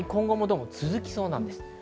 今後も続きそうです。